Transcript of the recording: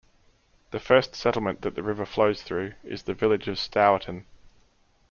The first settlement that the river flows through is the village of Stourton.